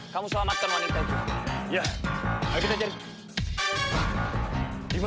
kamu selamatkan wanita kita cari